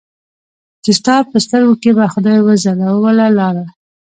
چې ستا په سترګو کې به خدای وځلوله لاره